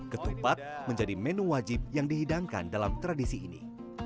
ketupat menjadi menu wajib yang dihidangkan dalam tradisi ini